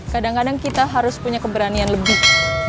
kadang kadang kita harus punya keberanian lebih